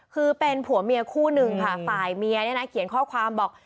คือเป็นผัวเมียคู่หนึ่งค่ะฝ่ายเมียเนี่ยนะเขียนข้อความบอก